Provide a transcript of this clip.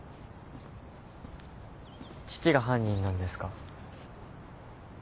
父が犯人なんですか？